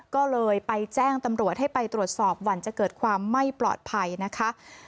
ก็เลยไปแจ้งตำรวจให้ไปตรวจสอบหวั่นจะเกิดความไม่ปลอดภัยนะคะ